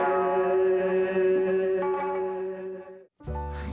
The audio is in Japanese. はい。